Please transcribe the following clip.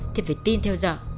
thì phải tin theo dõi